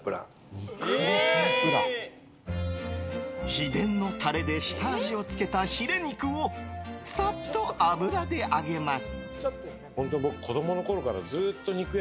秘伝のタレで下味をつけたヒレ肉をサッと油で揚げます。